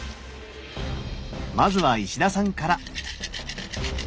まずは石田さんから。